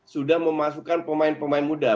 sudah memasukkan pemain pemain muda